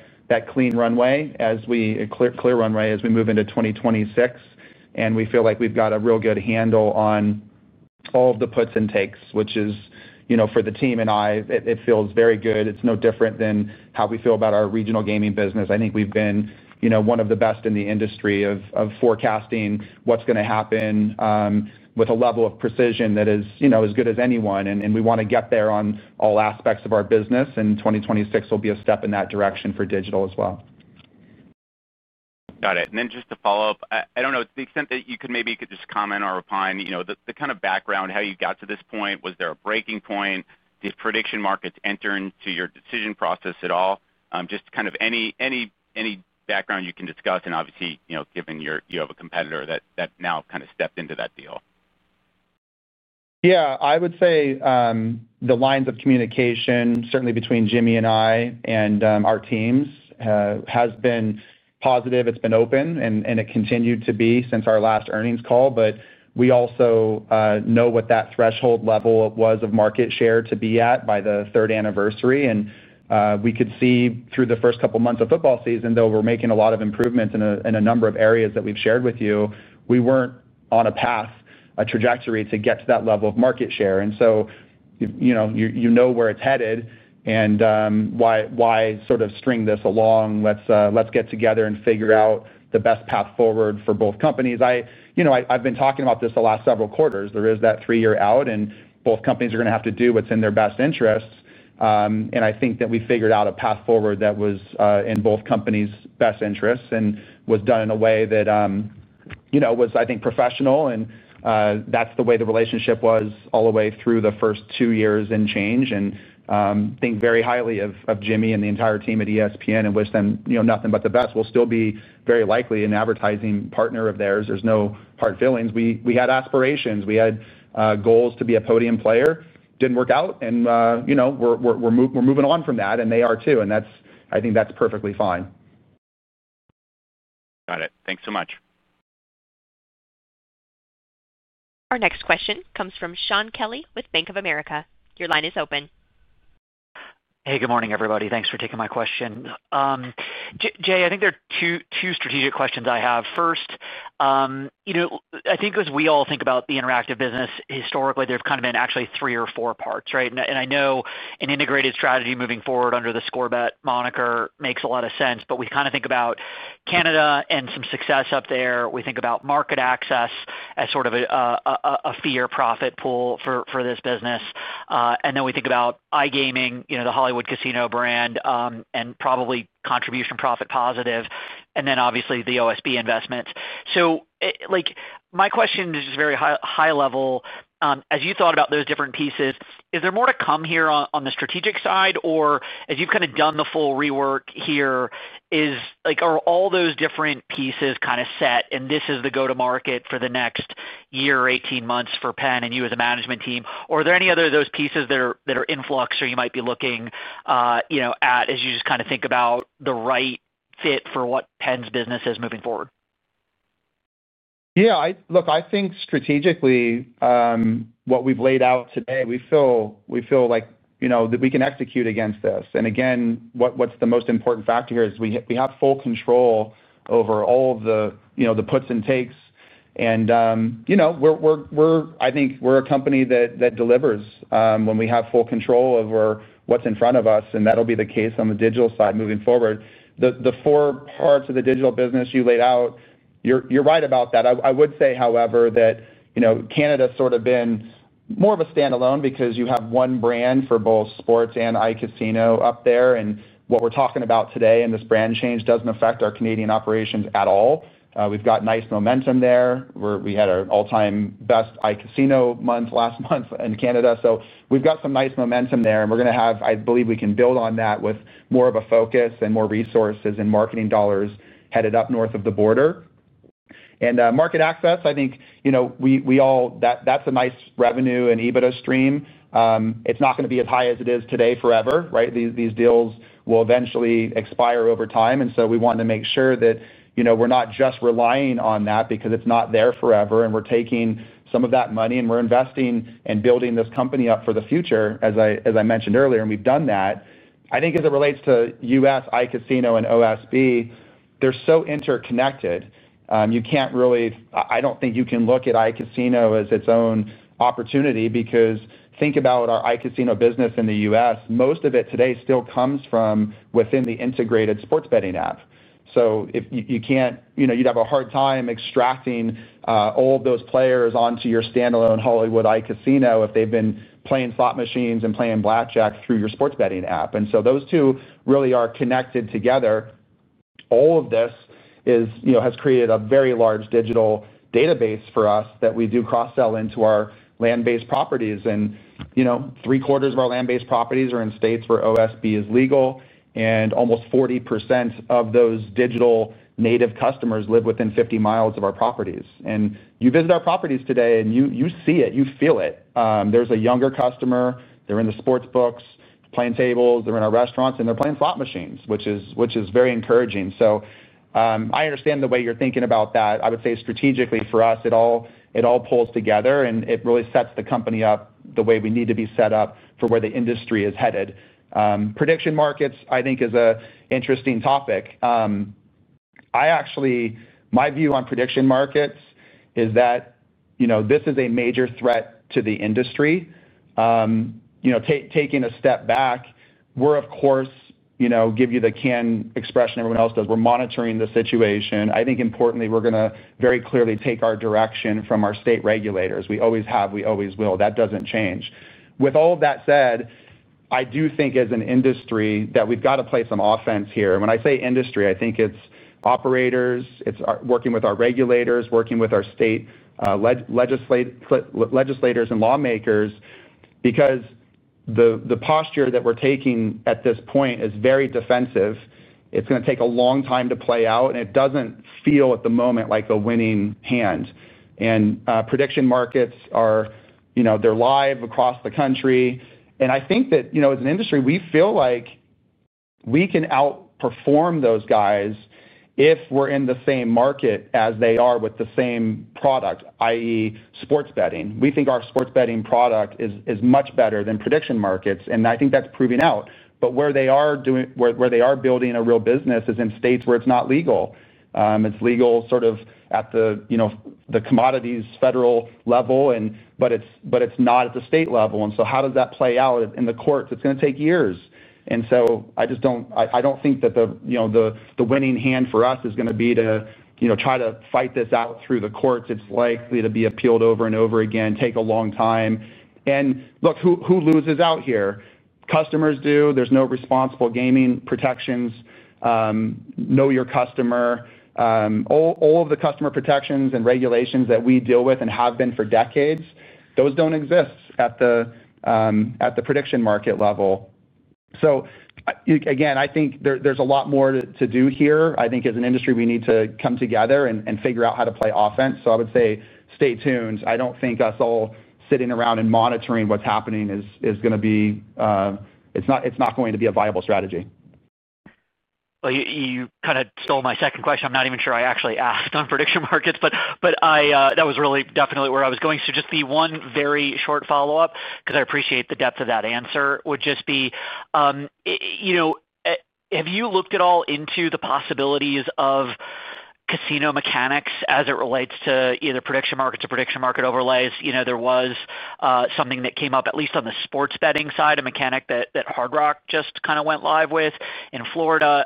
clear runway as we move into 2026. We feel like we have got a real good handle on all of the puts and takes, which is, for the team and I, it feels very good. It's no different than how we feel about our regional gaming business. I think we've been one of the best in the industry of forecasting what's going to happen, with a level of precision that is as good as anyone. We want to get there on all aspects of our business. 2026 will be a step in that direction for digital as well. Got it. Just to follow up, I do not know, to the extent that you could maybe just comment or opine, the kind of background, how you got to this point, was there a breaking point? Did prediction markets enter into your decision process at all? Just kind of any background you can discuss, and obviously, given you have a competitor that now kind of stepped into that deal. Yeah. I would say the lines of communication, certainly between Jimmy and I and our teams, has been positive. It's been open, and it continued to be since our last earnings call. We also know what that threshold level was of market share to be at by the third anniversary. We could see through the first couple of months of football season, though we're making a lot of improvements in a number of areas that we've shared with you, we weren't on a path, a trajectory to get to that level of market share. You know where it's headed and why sort of string this along. Let's get together and figure out the best path forward for both companies. I've been talking about this the last several quarters. There is that three-year out, and both companies are going to have to do what's in their best interests. I think that we figured out a path forward that was in both companies' best interests and was done in a way that was, I think, professional. That's the way the relationship was all the way through the first two years and change. I think very highly of Jimmy and the entire team at ESPN and wish them nothing but the best. We'll still be very likely an advertising partner of theirs. There's no hard feelings. We had aspirations. We had goals to be a podium player. Didn't work out. We're moving on from that, and they are too. I think that's perfectly fine. Got it. Thanks so much. Our next question comes from Shaun Kelley with Bank of America. Your line is open. Hey. Good morning, everybody. Thanks for taking my question. Jay, I think there are two strategic questions I have. First. I think as we all think about the interactive business, historically, there've kind of been actually three or four parts, right? And I know an integrated strategy moving forward under theScore Bet moniker makes a lot of sense. But we kind of think about Canada and some success up there. We think about market access as sort of a fee-or-profit pool for this business. And then we think about iGaming, the Hollywood Casino brand, and probably contribution profit positive. And then, obviously, the OSB investments. My question is just very high level. As you thought about those different pieces, is there more to come here on the strategic side? Or as you've kind of done the full rework here, are all those different pieces kind of set and this is the go-to-market for the next year, 18 months for Penn and you as a management team? Are there any other of those pieces that are in flux or you might be looking at as you just kind of think about the right fit for what Penn's business is moving forward? Yeah. Look, I think strategically, what we've laid out today, we feel like we can execute against this. What's the most important factor here is we have full control over all of the puts and takes. I think we're a company that delivers when we have full control over what's in front of us. That'll be the case on the digital side moving forward. The four parts of the digital business you laid out, you're right about that. I would say, however, that Canada has sort of been more of a standalone because you have one brand for both sports and iCasino up there. What we're talking about today in this brand change doesn't affect our Canadian operations at all. We've got nice momentum there. We had our all-time best iCasino month last month in Canada. We've got some nice momentum there. We're going to have, I believe we can build on that with more of a focus and more resources and marketing dollars headed up north of the border. Market access, I think. That's a nice revenue and EBITDA stream. It's not going to be as high as it is today forever, right? These deals will eventually expire over time. We want to make sure that we're not just relying on that because it's not there forever. We're taking some of that money and we're investing and building this company up for the future, as I mentioned earlier. We've done that. I think as it relates to U.S. iCasino and OSB, they're so interconnected. You can't really—I don't think you can look at iCasino as its own opportunity because think about our iCasino business in the U.S. Most of it today still comes from within the integrated sports betting app. You would have a hard time extracting all of those players onto your standalone Hollywood iCasino if they have been playing slot machines and playing blackjack through your sports betting app. Those two really are connected together. All of this has created a very large digital database for us that we do cross-sell into our land-based properties. Three-quarters of our land-based properties are in states where OSB is legal. Almost 40% of those digital native customers live within 50 mi of our properties. You visit our properties today, and you see it. You feel it. There is a younger customer. They are in the sports books, playing tables. They are in our restaurants, and they are playing slot machines, which is very encouraging. I understand the way you are thinking about that. I would say strategically for us, it all pulls together, and it really sets the company up the way we need to be set up for where the industry is headed. Prediction markets, I think, is an interesting topic. My view on prediction markets is that this is a major threat to the industry. Taking a step back, we're, of course, give you the canned expression everyone else does. We're monitoring the situation. I think, importantly, we're going to very clearly take our direction from our state regulators. We always have. We always will. That doesn't change. With all of that said, I do think as an industry that we've got to play some offense here. When I say industry, I think it's operators, it's working with our regulators, working with our state legislators and lawmakers because the posture that we're taking at this point is very defensive. It's going to take a long time to play out. It doesn't feel at the moment like a winning hand. Prediction markets are live across the country. I think that as an industry, we feel like we can outperform those guys if we're in the same market as they are with the same product, i.e., sports betting. We think our sports betting product is much better than prediction markets. I think that's proving out. Where they are building a real business is in states where it's not legal. It's legal sort of at the commodities federal level, but it's not at the state level. How does that play out in the courts? It's going to take years. I don't think that. The winning hand for us is going to be to try to fight this out through the courts. It's likely to be appealed over and over again, take a long time. Look, who loses out here? Customers do. There's no responsible gaming protections. Know your customer. All of the customer protections and regulations that we deal with and have been for decades, those do not exist at the prediction market level. Again, I think there's a lot more to do here. I think as an industry, we need to come together and figure out how to play offense. I would say stay tuned. I do not think us all sitting around and monitoring what's happening is going to be— It is not going to be a viable strategy. You kind of stole my second question. I'm not even sure I actually asked on prediction markets, but that was really definitely where I was going. Just the one very short follow-up, because I appreciate the depth of that answer, would just be: Have you looked at all into the possibilities of casino mechanics as it relates to either prediction markets or prediction market overlays? There was something that came up, at least on the sports betting side, a mechanic that Hard Rock just kind of went live with in Florida.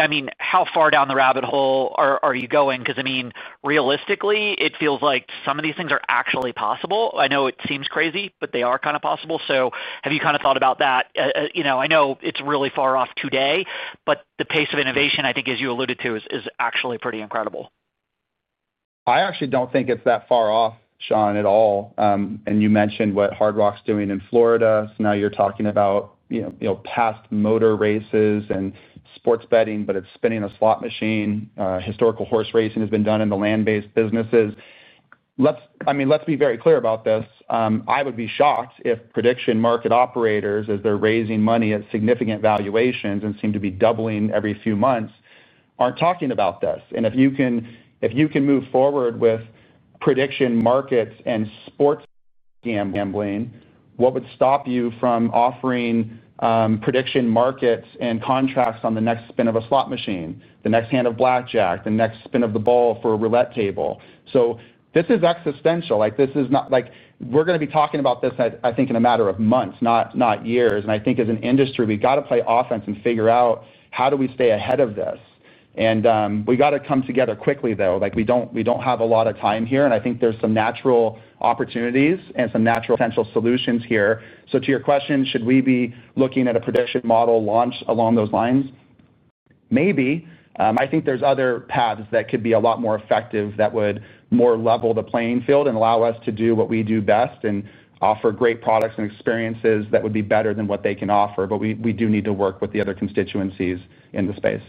I mean, how far down the rabbit hole are you going? Because, I mean, realistically, it feels like some of these things are actually possible. I know it seems crazy, but they are kind of possible. Have you kind of thought about that? I know it's really far off today, but the pace of innovation, I think, as you alluded to, is actually pretty incredible. I actually don't think it's that far off, Shaun, at all. You mentioned what Hard Rock's doing in Florida. Now you're talking about past motor races and sports betting, but it's spinning a slot machine. Historical horse racing has been done in the land-based businesses. I mean, let's be very clear about this. I would be shocked if prediction market operators, as they're raising money at significant valuations and seem to be doubling every few months, aren't talking about this. If you can move forward with prediction markets and sports gambling, what would stop you from offering prediction markets and contracts on the next spin of a slot machine, the next hand of blackjack, the next spin of the ball for a roulette table? This is existential. This is not—we're going to be talking about this, I think, in a matter of months, not years. I think as an industry, we've got to play offense and figure out how do we stay ahead of this. We've got to come together quickly, though. We don't have a lot of time here. I think there's some natural opportunities and some natural solutions here. To your question, should we be looking at a prediction model launch along those lines? Maybe. I think there's other paths that could be a lot more effective that would more level the playing field and allow us to do what we do best and offer great products and experiences that would be better than what they can offer. We do need to work with the other constituencies in the space.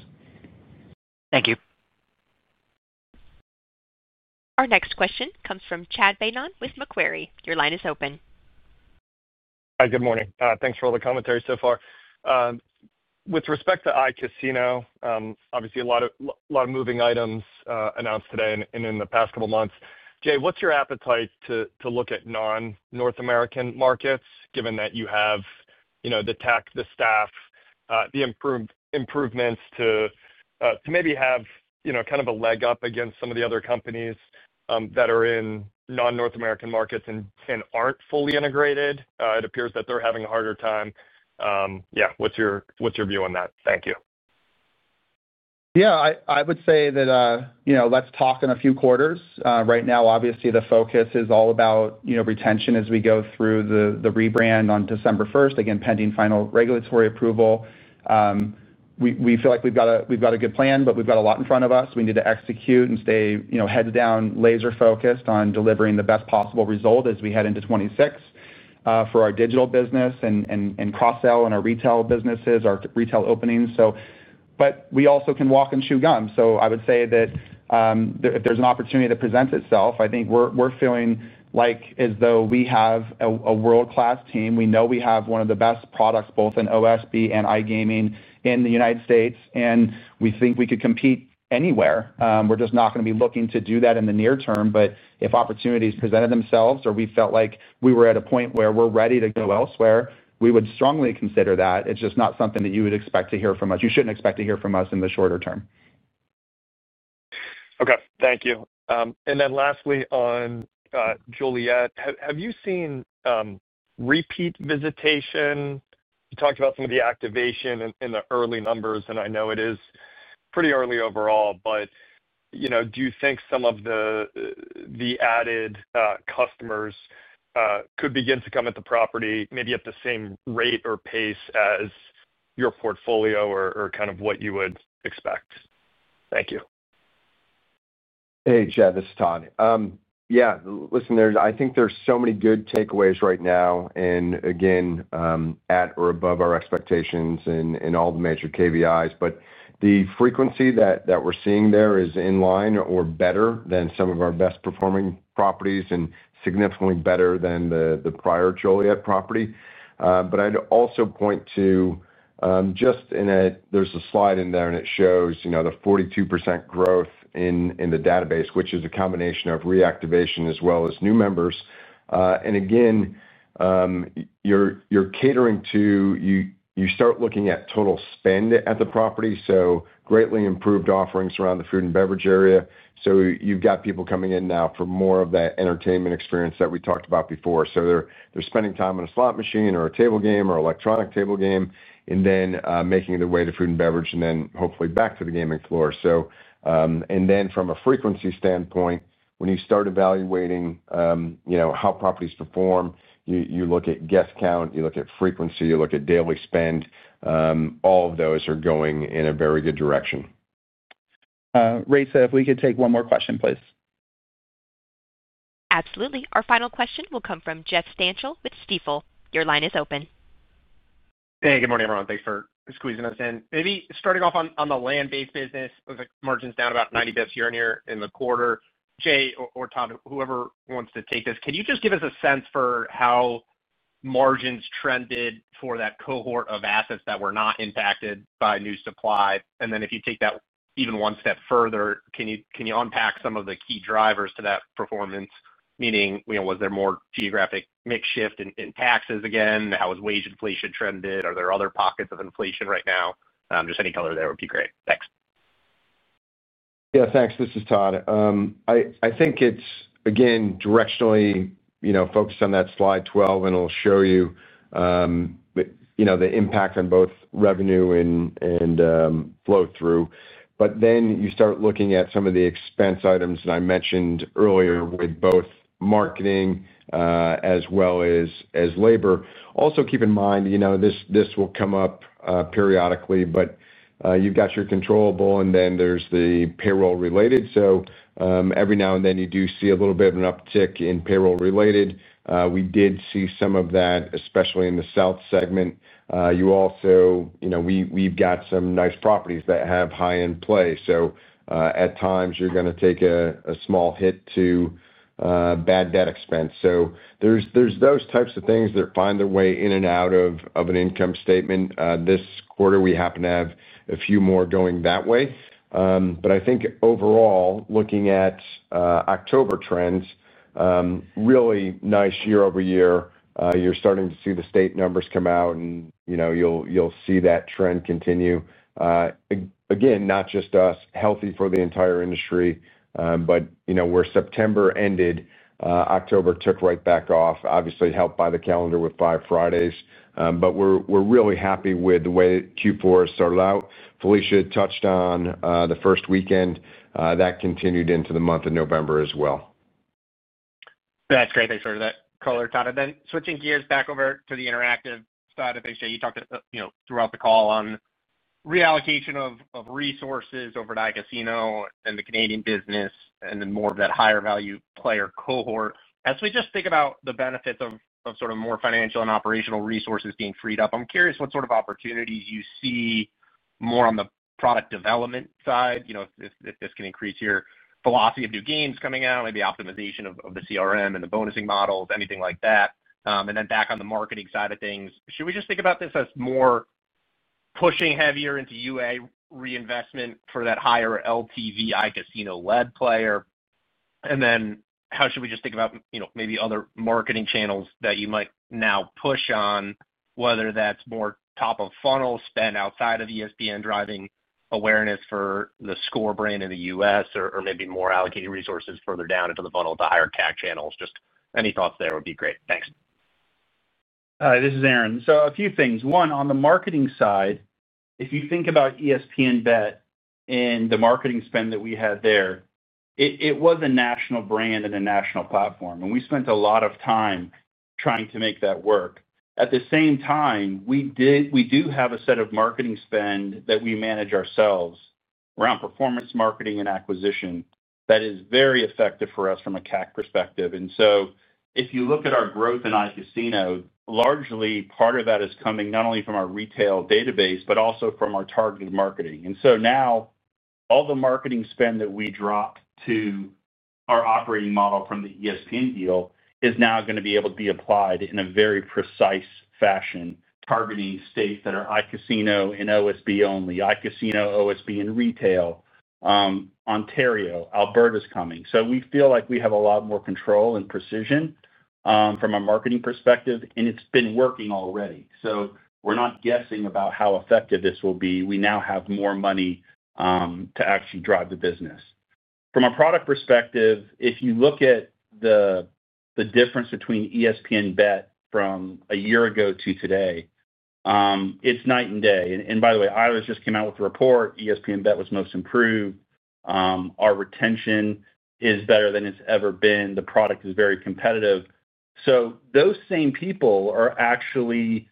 Thank you. Our next question comes from Chad Beynon with Macquarie. Your line is open. Hi. Good morning. Thanks for all the commentary so far. With respect to iCasino, obviously, a lot of moving items announced today and in the past couple of months. Jay, what's your appetite to look at non-North American markets, given that you have the tech, the staff, the improvements to maybe have kind of a leg up against some of the other companies that are in non-North American markets and aren't fully integrated? It appears that they're having a harder time. Yeah. What's your view on that? Thank you. Yeah. I would say that. Let's talk in a few quarters. Right now, obviously, the focus is all about retention as we go through the rebrand on December 1, again, pending final regulatory approval. We feel like we've got a good plan, but we've got a lot in front of us. We need to execute and stay heads-down, laser-focused on delivering the best possible result as we head into 2026. For our digital business and cross-sell in our retail businesses, our retail openings. We also can walk and chew gum. I would say that. If there's an opportunity to present itself, I think we're feeling as though we have a world-class team. We know we have one of the best products, both in OSB and iGaming, in the United States. We think we could compete anywhere. We're just not going to be looking to do that in the near term. If opportunities presented themselves or we felt like we were at a point where we're ready to go elsewhere, we would strongly consider that. It's just not something that you would expect to hear from us. You shouldn't expect to hear from us in the shorter term. Okay. Thank you. Lastly, on Joliet, have you seen repeat visitation? You talked about some of the activation in the early numbers, and I know it is pretty early overall. Do you think some of the added customers could begin to come at the property maybe at the same rate or pace as your portfolio or kind of what you would expect? Thank you. Hey, Chad. This is Todd. Yeah. Listen, I think there are so many good takeaways right now and, again, at or above our expectations in all the major KVIs. The frequency that we're seeing there is in line or better than some of our best-performing properties and significantly better than the prior Joliet property. I'd also point to, just in a—there's a slide in there, and it shows the 42% growth in the database, which is a combination of reactivation as well as new members. Again, you're catering to—you start looking at total spend at the property. Greatly improved offerings around the food and beverage area. You've got people coming in now for more of that entertainment experience that we talked about before. They're spending time on a slot machine or a table game or electronic table game and then making their way to food and beverage and then hopefully back to the gaming floor. From a frequency standpoint, when you start evaluating how properties perform, you look at guest count, you look at frequency, you look at daily spend. All of those are going in a very good direction. Raisa, if we could take one more question, please. Absolutely. Our final question will come from Jeffrey Austin Stantial with Stifel. Your line is open. Hey, good morning, everyone. Thanks for squeezing us in. Maybe starting off on the land-based business, with margins down about 90 basis points year over year in the quarter. Jay or Todd, whoever wants to take this, can you just give us a sense for how margins trended for that cohort of assets that were not impacted by new supply? And then if you take that even one step further, can you unpack some of the key drivers to that performance? Meaning, was there more geographic mix shift in taxes again? How has wage inflation trended? Are there other pockets of inflation right now? Just any color there would be great. Thanks. Yeah. Thanks. This is Todd. I think it's, again, directionally focused on that slide 12, and it'll show you. The impact on both revenue and flow-through. But then you start looking at some of the expense items that I mentioned earlier with both marketing as well as labor. Also, keep in mind, this will come up periodically, but you've got your control ball, and then there's the payroll-related. Every now and then, you do see a little bit of an uptick in payroll-related. We did see some of that, especially in the south segment. You also, we've got some nice properties that have high-end play. At times, you're going to take a small hit to bad debt expense. There are those types of things that find their way in and out of an income statement. This quarter, we happen to have a few more going that way. I think overall, looking at October trends, really nice year-over-year. You're starting to see the state numbers come out, and you'll see that trend continue. Again, not just us, healthy for the entire industry. Where September ended, October took right back off, obviously helped by the calendar with five Fridays. We're really happy with the way Q4 started out. Felicia touched on the first weekend. That continued into the month of November as well. That's great. Thanks for that color, Todd. Switching gears back over to the interactive side, I think, Jay, you talked throughout the call on reallocation of resources over to iCasino and the Canadian business and then more of that higher-value player cohort. As we just think about the benefits of sort of more financial and operational resources being freed up, I'm curious what sort of opportunities you see more on the product development side, if this can increase your philosophy of new games coming out, maybe optimization of the CRM and the bonusing models, anything like that. Back on the marketing side of things, should we just think about this as more pushing heavier into UA reinvestment for that higher LTV iCasino-led player? How should we just think about maybe other marketing channels that you might now push on, whether that's more top-of-funnel spend outside of ESPN driving awareness for theScore brand in the U.S. or maybe more allocating resources further down into the funnel to higher CAC channels? Just any thoughts there would be great. Thanks. Hi. This is Aaron. So a few things. One, on the marketing side, if you think about ESPN Bet and the marketing spend that we had there, it was a national brand and a national platform. We spent a lot of time trying to make that work. At the same time, we do have a set of marketing spend that we manage ourselves around performance, marketing, and acquisition that is very effective for us from a CAC perspective. If you look at our growth in iCasino, largely part of that is coming not only from our retail database, but also from our targeted marketing. Now, all the marketing spend that we dropped to. Our operating model from the ESPN deal is now going to be able to be applied in a very precise fashion, targeting states that are iCasino and OSB only, iCasino, OSB, and retail. Ontario, Alberta's coming. We feel like we have a lot more control and precision. From a marketing perspective, and it's been working already. We are not guessing about how effective this will be. We now have more money to actually drive the business. From a product perspective, if you look at the difference between ESPN Bet from a year ago to today, it's night and day. By the way, I just came out with a report. ESPN Bet was most improved. Our retention is better than it's ever been. The product is very competitive. Those same people are actually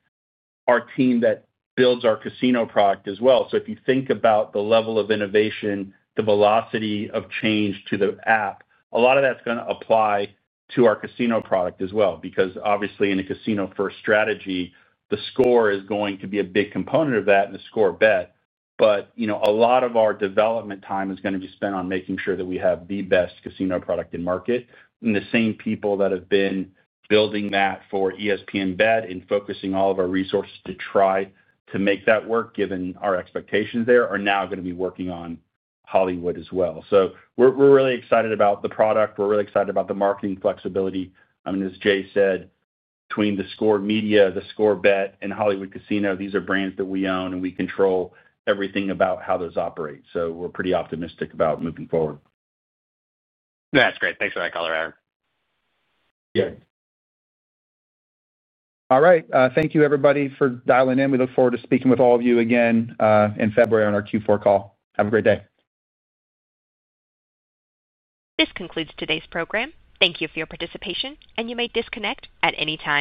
our team that builds our casino product as well. If you think about the level of innovation, the velocity of change to the app, a lot of that is going to apply to our casino product as well. Because obviously, in a casino-first strategy, theScore is going to be a big component of that and theScore Bet. A lot of our development time is going to be spent on making sure that we have the best casino product in market. The same people that have been building that for ESPN Bet and focusing all of our resources to try to make that work, given our expectations there, are now going to be working on Hollywood as well. We are really excited about the product. We are really excited about the marketing flexibility. I mean, as Jay said, between theScore Media, theScore Bet, and Hollywood Casino, these are brands that we own, and we control everything about how those operate. So we're pretty optimistic about moving forward. That's great. Thanks for that color, Aaron. Yeah. All right. Thank you, everybody, for dialing in. We look forward to speaking with all of you again in February on our Q4 call. Have a great day. This concludes today's program. Thank you for your participation, and you may disconnect at any time.